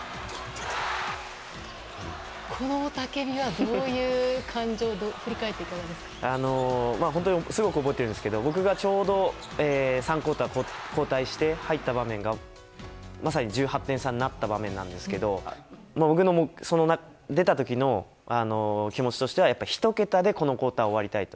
この雄たけびは、どういう感情、本当にすごく覚えてるんですけど、僕がちょうど３クオーター交代して、入った場面が、まさに１８点差になった場面なんですけど、僕の、出たときの気持ちとしては、やっぱ１桁でこのクオーターを終わりたいと。